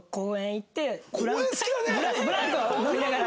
ブランコ乗りながら。